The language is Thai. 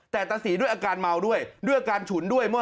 แต่ตะศรีด้วยอาการเมาด้วยด้วยอาการฉุนด้วย